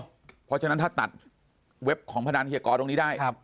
เพราะฉะนั้นถ้าตัดเว็บของพนันเฮียกอตรงนี้ได้